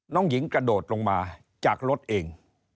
คุณกระโดดลงมาจากรถเอง